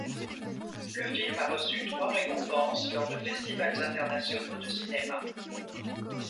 Le film a reçu trois récompenses lors de festivals internationaux de cinéma.